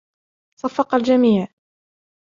صفق الجميع.